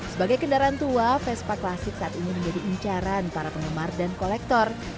sebagai kendaraan tua vespa klasik saat ini menjadi incaran para penggemar dan kolektor